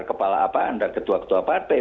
kepala apa antar ketua ketua partai